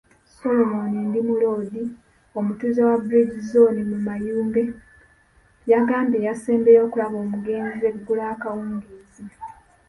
Solomon Ndimulodi, omutuze wa Bridge zooni mu Mayuge yagambye yasembyeyo okulaba omugenzi eggulo akawungeezi.